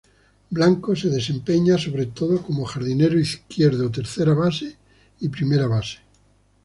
Blanco se desempeña sobre todo como jardinero izquierdo, tercera base y primera base.